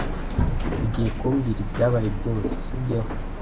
Ugiye kumbwira ibyabaye byose, sibyo?